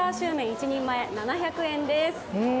１人前７００円です。